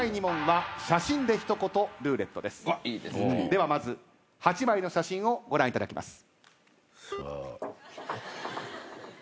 ではまず８枚の写真をご覧いただきます。